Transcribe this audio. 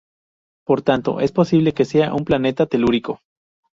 Por tanto, es posible que sea un planeta telúrico.